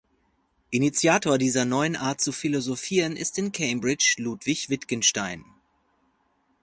Initiator dieser neuen Art zu philosophieren ist in Cambridge Ludwig Wittgenstein.